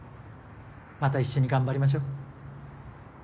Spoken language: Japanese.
また一緒に頑張りましょ。